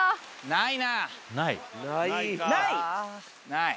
ない。